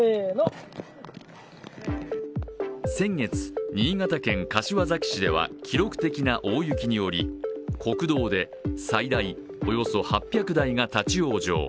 先月、新潟県柏崎市では記録的な大雪により、国道で最大およそ８００台が立往生。